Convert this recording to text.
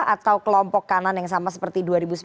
atau kelompok kanan yang sama seperti